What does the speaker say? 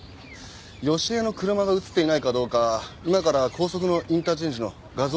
好江の車が映っていないかどうか今から高速のインターチェンジの画像を調べてみます。